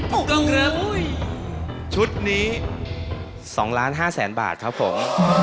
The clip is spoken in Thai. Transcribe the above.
ถูกต้องครับชุดนี้๒ล้าน๕แสนบาทครับผม